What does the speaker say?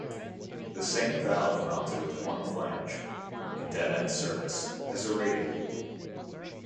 The same valve mounted with one flange, in dead end service, has a rating.